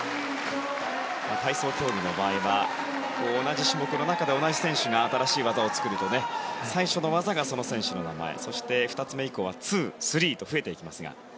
体操競技の場合は同じ種目で同じ選手が新しい技を作ると最初の技がその選手の名前２つ目以降は２、３と増えていきますが。